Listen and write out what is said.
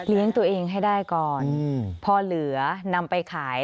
ตัวเองให้ได้ก่อนพอเหลือนำไปขาย